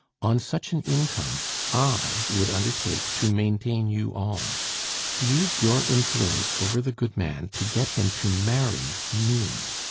On such an income I would undertake to maintain you all. Use your influence over the good man to get him to marry me.